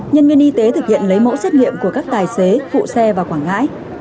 nhân viên y tế thực hiện lấy mẫu xét nghiệm của các tài xế phụ xe vào quảng ngãi